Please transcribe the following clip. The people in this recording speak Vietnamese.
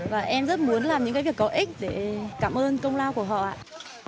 và em rất muốn làm những cái việc có ích để cảm ơn công lao của họ ạ